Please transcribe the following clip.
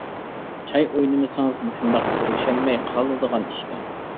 چاي ئوينىمىسىڭىز مۇشۇنداق كۆرۈشەلمەي قالىدىغان ئىشكەن.